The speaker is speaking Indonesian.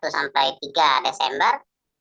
satu sampai tiga desember